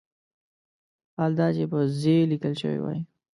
حال دا چې په "ز" لیکل شوی وای.